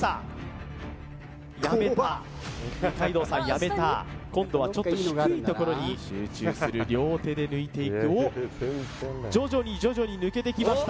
やめた二階堂さんやめた今度はちょっと低いところに集中する両手で抜いていく徐々に徐々に抜けてきました